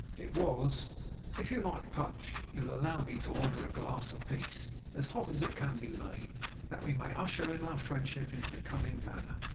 It was: 'If you like punch, you'll allow me to order a glass apiece, as hot as it can be made, that we may usher in our friendship in a becoming manner.